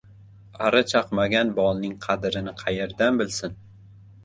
• Ari chaqmagan bolning qadrini qayerdan bilsin.